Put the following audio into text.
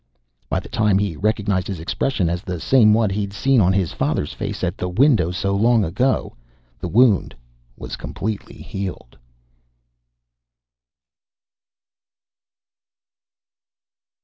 By the time he recognized his expression as the same one he'd seen on his father's face at the window so long ago, the wound was completely healed.